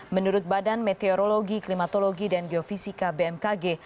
menurut badan meteorologi klimatologi dan geofisika bmkg